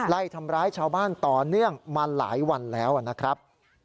ไล่ทำร้ายชาวบ้านต่อเนื่องมาหลายวันแล้วนะครับ